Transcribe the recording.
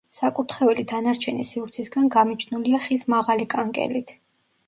საკურთხეველი დანარჩენი სივრცისგან გამიჯნულია ხის მაღალი კანკელით.